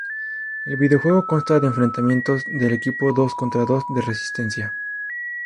El videojuego consta de enfrentamientos del equipo dos contra dos de resistencia.